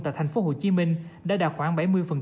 tại tp hcm đã đạt khoảng bảy mươi